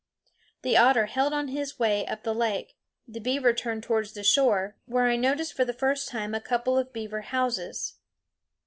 The otter held on his way up the lake; the beaver turned towards the shore, where I noticed for the first time a couple of beaver houses.